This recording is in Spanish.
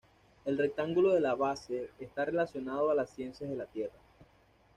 El rectángulo de la base, está relacionado a las ciencias de la tierra.